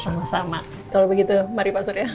sama sama kalau begitu mari pak surya